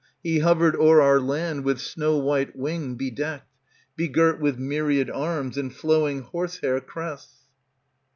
He hovered o'er our land. With snow white wing bedecked. Begirt with myriad arms, And flowing horsehair crests.